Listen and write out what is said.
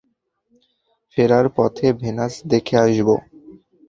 ফেরার পথে ভেনাস দেখে আসব।